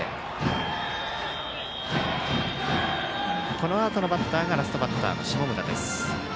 このあとのバッターがラストバッターの下村です。